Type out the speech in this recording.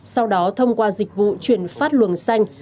sau đó thông qua dịch vụ chuyển phát luồng xanh